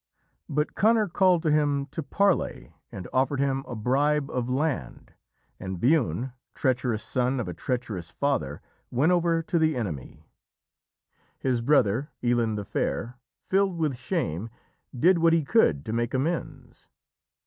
But Conor called to him to parley and offered him a bribe of land, and Buinne, treacherous son of a treacherous father, went over to the enemy. His brother, Illann the Fair, filled with shame, did what he could to make amends.